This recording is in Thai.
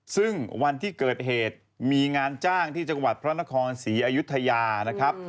ซึ่งวันที่เกิดเหตุมีงานจ้างที่จังหวัดพระนครศรีอยุธยานะครับ